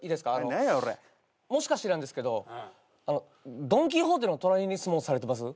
もしかしてなんですけどドン・キホーテの隣に住もうとされてます？